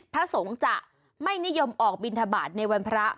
พระสงฆ์จะไม่นิยมออกบินทบาทในวันพระ